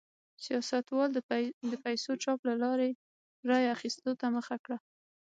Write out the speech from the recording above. سیاستوالو د پیسو چاپ له لارې رایو اخیستو ته مخه کړه.